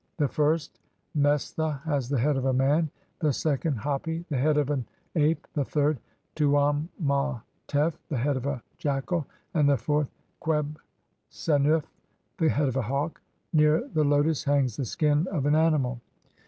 The first, Mestha, has the head of a man ; the second, Hapi, the head of an ape ; the third, Tuamautef, the head of a jackal ; and the fourth, Qebh sennuf, the head of a hawk. Near the lotus hangs the skin of an animal.